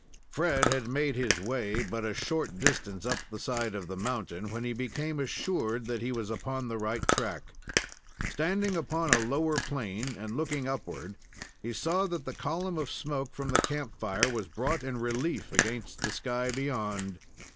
Fred had made his way but a short distance up the side of the mountain, when he became assured that he was upon the right track. Standing upon a lower plane and looking upward, he saw that the column of smoke from the camp fire was brought in relief against the sky beyond.